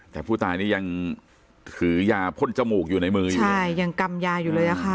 แต่ผู้ตายนี่ยังถือยาพ่นจมูกอยู่ในมืออยู่ใช่ยังกำยาอยู่เลยอะค่ะ